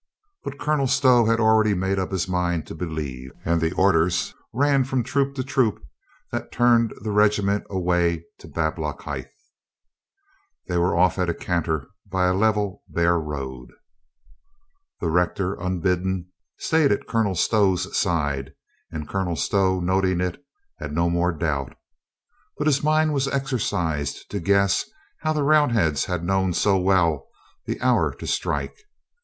But Colonel Stow had already made up his mind to be lieve, and the orders ran from troop to troop that turned the regiment away to Bablockhithe. They were off at a canter by a level bare road. The rector, unbidden, stayed at Colonel Stow's side and Colonel Stow, noting it, had no more doubt. But his mind was exercised to g^ess how the Round heads had known so well the hour to strike.